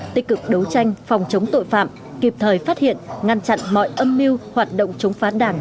tích cực đấu tranh phòng chống tội phạm kịp thời phát hiện ngăn chặn mọi âm mưu hoạt động chống phá đảng